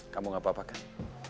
kamu gak apa apakan